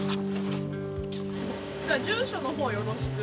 じゃあ住所の方よろしく。